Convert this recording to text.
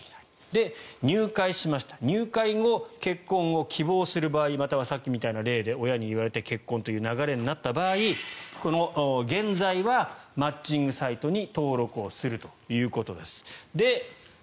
で、入会しました入会後、結婚を希望する場合またはさっきみたいな例で親に言われて結婚みたいな流れになった場合現在はマッチングサイトに登録をするということです。